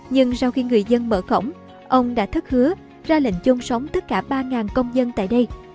nhưng sau khi người dân mở cổng ông đã thất hứa ra lệnh chung sống tất cả ba công dân tại đây